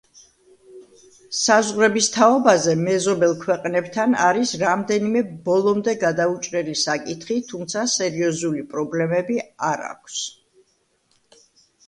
საზღვრების თაობაზე, მეზობელ ქვეყნებთან არის რამდენიმე ბოლომდე გადაუჭრელი საკითხი, თუმცა სერიოზული პრობლემები არ ქვს.